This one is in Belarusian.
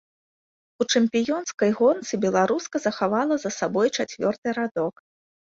У чэмпіёнскай гонцы беларуска захавала за сабой чацвёрты радок.